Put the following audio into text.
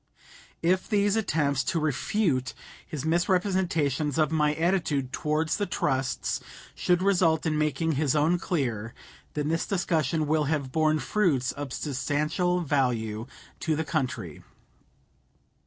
If these attempts to refute his misrepresentation of my attitude towards the trusts should result in making his own clear, then this discussion will have borne fruits of substantial value to the country.